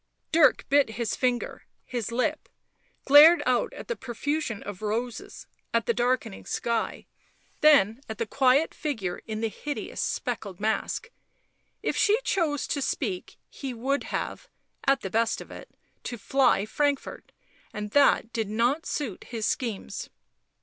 Dirk bit his finger, his lip, glared out at the pro fusion of roses, at the darkening sky, then at the quiet figure in the hideous speckled mask ; if she chose to speak he would have, at the best of it, to fly Frank fort, and that did not suit his schemes.